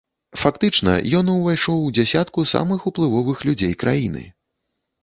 Фактычна, ён увайшоў у дзясятку самых уплывовых людзей краіны.